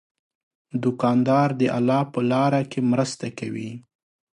دوکاندار د الله په لاره کې مرسته کوي.